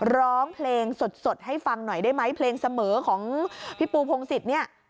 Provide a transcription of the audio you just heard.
ร้องเพลงสดให้ฟังหน่อยได้ไหมเพลงเสมอของพี่ปูพงศิษย์เนี่ย